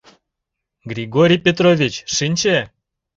Григорий Петрович шинче.